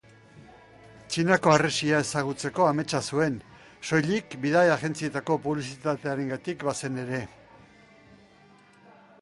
Txinako harresia ezagutzeko ametsa zuen, soilik bidai agentzietako publizitatearengatik bazen ere.